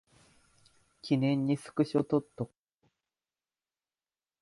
記念にスクショ撮っとこ